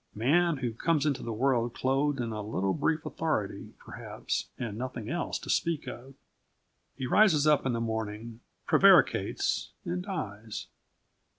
Man, who comes into the world clothed in a little brief authority, perhaps, and nothing else to speak of. He rises up in the morning, prevaricates, and dies.